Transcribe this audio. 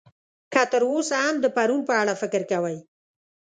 که تر اوسه هم د پرون په اړه فکر کوئ.